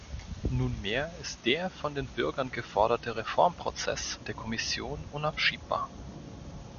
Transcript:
Nunmehr ist der von den Bürgern geforderte Reformprozess der Kommission unaufschiebbar.